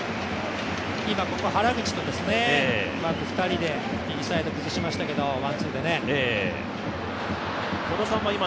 今、ここ原口と２人でニアサイド崩しましたけど、ワンツーでね。